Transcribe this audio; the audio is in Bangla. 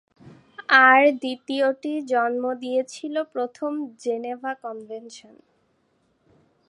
আর দ্বিতীয়টি জন্ম দিয়েছিল প্রথম "জেনেভা কনভেনশন"।